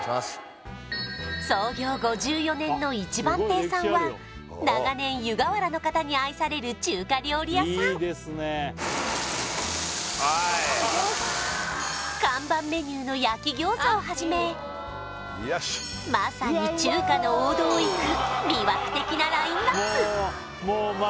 創業５４年の一番亭さんは長年湯河原の方に愛される中華料理屋さん看板メニューの焼き餃子をはじめまさに中華の王道をいく魅惑的なラインナップ